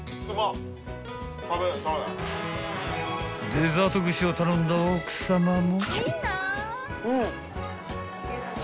［デザート串を頼んだ奥さまも］